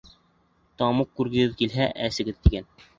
Тамуҡ күргегеҙ килһә, әсегеҙ тигән.